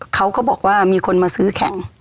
เขาก็บอกว่ามีคนมาซื้อแข่ง